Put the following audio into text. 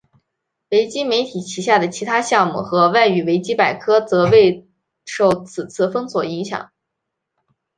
维基媒体旗下的其他项目和外语维基百科则未受此次封锁影响。